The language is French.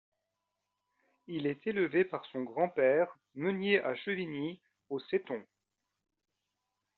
Il est élevé par son grand-père, meunier à Chevigny, aux Settons.